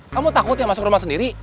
kamu takut ya masuk rumah sendiri